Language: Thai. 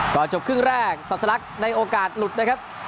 จบครึ่งแรกศาสลักในโอกาสหลุดนะครับ